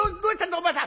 お前さん。